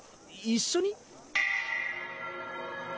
一緒に？